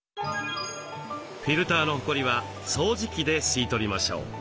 フィルターのホコリは掃除機で吸い取りましょう。